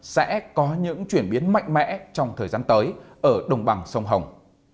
sẽ có những chuyển biến mạnh mẽ trong thời gian tới ở đồng bằng sông hồng